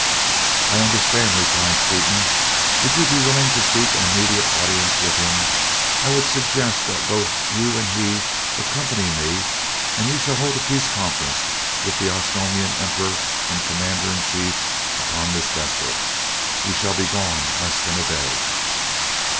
"I understand," replied Seaton. "Would you be willing to seek an immediate audience with him? I would suggest that both you and he accompany me, and we shall hold a peace conference with the Osnomian Emperor and Commander in Chief upon this vessel. We shall be gone less than a day."